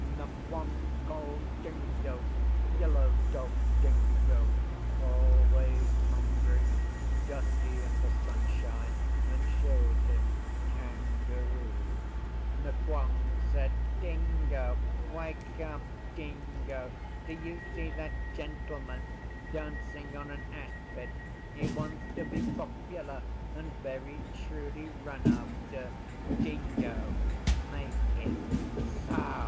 Nqong called Dingo Yellow Dog Dingo always hungry, dusty in the sunshine, and showed him Kangaroo. Nqong said, 'Dingo! Wake up, Dingo! Do you see that gentleman dancing on an ashpit? He wants to be popular and very truly run after. Dingo, make him SO!